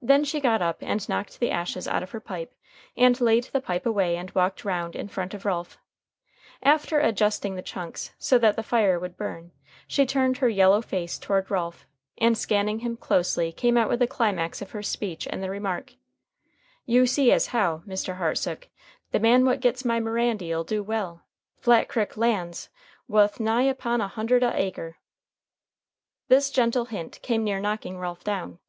Then she got up and knocked the ashes out of her pipe, and laid the pipe away and walked round In front of Ralph. After adjusting the chunks so that the fire would burn, she turned her yellow face toward Ralph, and scanning him closely came out with the climax of her speech in the remark: "You see as how, Mr. Hartsook, the man what gits my Mirandy'll do well. Flat Crick land's wuth nigt upon a hundred a' acre." This gentle hint came near knocking Ralph down.